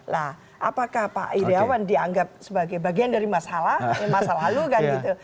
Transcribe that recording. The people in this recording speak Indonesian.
lah apakah pak iryawan dianggap sebagai bagian dari masalah masa lalu kan gitu